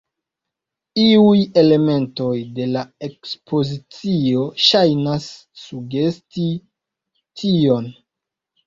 Iuj elementoj de la ekspozicio ŝajnas sugesti tion.